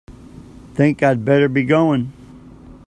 Think I'd better be going.